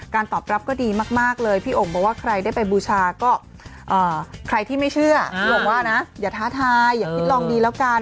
ตอบรับก็ดีมากเลยพี่โอ่งบอกว่าใครได้ไปบูชาก็ใครที่ไม่เชื่อพี่หลงว่านะอย่าท้าทายอย่าคิดลองดีแล้วกัน